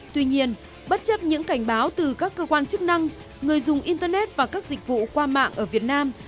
tuy nhiên bất chấp những cảnh báo từ các cơ quan chức năng người dùng internet và các dịch vụ qua mạng ở việt nam